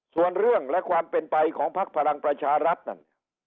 ส่วนเรื่องและความเป็นไปของพักพลังประชารัฐนั่น